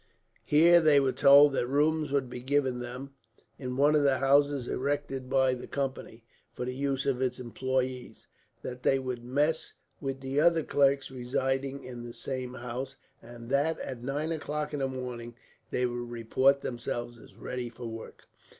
Here they were told that rooms would be given them, in one of the houses erected by the Company for the use of its employees; that they would mess with the other clerks residing in the same house; and that, at nine o'clock in the morning, they would report themselves as ready for work.